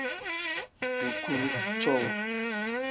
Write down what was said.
Dukuru cowuu.